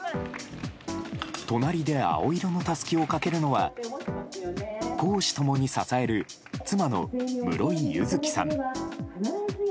隣で青色のたすきをかけるのは公私共に支える妻の室井佑月さん。